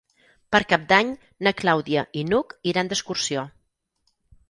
Per Cap d'Any na Clàudia i n'Hug iran d'excursió.